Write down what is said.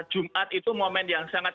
jumat itu momen yang sangat